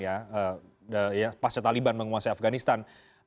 ya pasca taliban menguasai afganistan